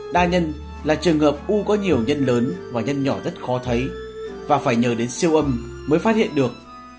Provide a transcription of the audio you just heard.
đa nhân là trường hợp u có nhiều nhân lớn và nhân nhỏ rất khó thấy và phải nhờ đến siêu âm mới phát hiện được